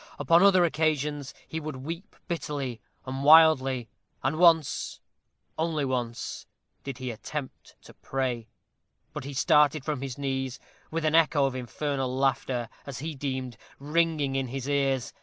Upon other occasions he would weep bitterly and wildly; and once only once did he attempt to pray; but he started from his knees with an echo of infernal laughter, as he deemed, ringing in his ears.